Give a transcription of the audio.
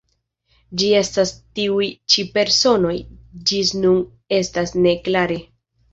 Kiu estas tiuj ĉi personoj, ĝis nun estas ne klare.